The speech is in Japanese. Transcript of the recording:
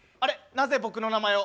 なぜ僕の名前を？